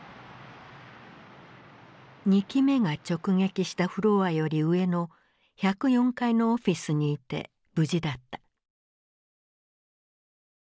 ２機目が直撃したフロアより上の１０４階のオフィスにいて無事だった。